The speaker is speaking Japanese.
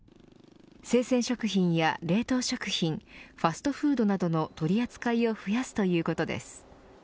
生鮮食品や冷凍食品ファストフードなどの取り扱いを増やすということです。